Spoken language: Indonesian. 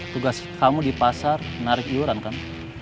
tugas kamu di pasar narik iuran kan